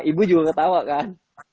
ibu juga ketawa kan